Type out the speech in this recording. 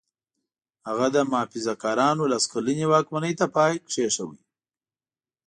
هغه د محافظه کارانو لس کلنې واکمنۍ ته پای کېښود.